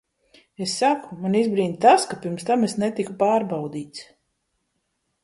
Es saku, mani izbrīna tas, ka pirms tam es netiku pārbaudīts.